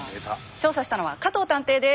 調査したのは加藤探偵です。